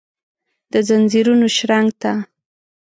دځنځیرونو شرنګ ته ،